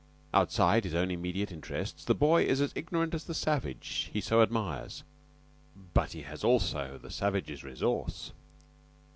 Outside his own immediate interests the boy is as ignorant as the savage he so admires; but he has also the savage's resource.